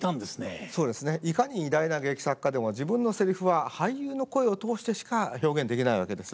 いかに偉大な劇作家でも自分のセリフは俳優の声を通してしか表現できないわけです。